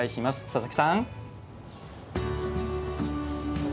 佐々木さん。